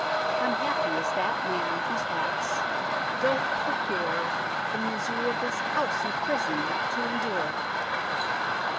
Unhappie is that man whose actes doth procuer the miseri of this hous in prison to indure.